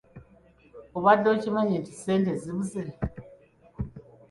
Obadde okimanyi nti ssente zibuze?